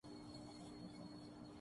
اس کے مسائل میں کتنی کمی آئی؟